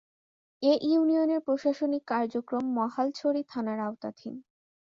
এ ইউনিয়নের প্রশাসনিক কার্যক্রম মহালছড়ি থানার আওতাধীন।